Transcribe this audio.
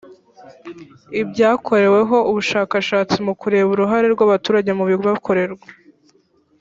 ibyakoreweho ubushakashatsi mu kureba uruhare rw abaturage mu bibakorerwa